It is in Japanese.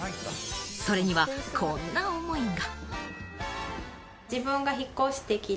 それにはこんな思いが。